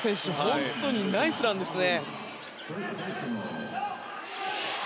本当にナイスランですね。